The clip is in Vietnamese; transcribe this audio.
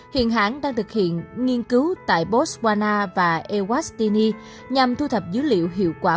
hiện hãng đang thực hiện nghiên cứu tại botswana và airwasti nhằm thu thập dữ liệu hiệu quả